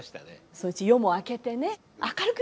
そのうち夜も明けてね明るくなったってね。